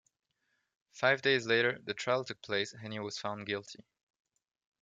Five days later, the trial took place and he was found guilty.